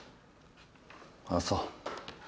ああそう。